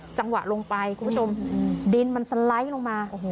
จังหวะลงไปคุณผู้ชมดินมันสไลด์ลงมาโอ้โห